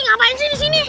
ngapain sih di sini